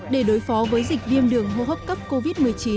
để đối phó với dịch viêm đường hô hấp cấp covid một mươi chín